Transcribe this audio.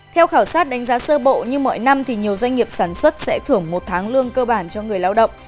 theo khảo sát đánh giá sơ bộ như mọi năm thì nhiều doanh nghiệp sản xuất sẽ thưởng một tháng lương cơ bản cho người lao động